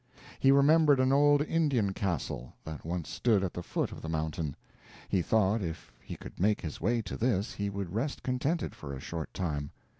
He remembered an old Indian Castle, that once stood at the foot of the mountain. He thought if he could make his way to this, he would rest contented for a short time.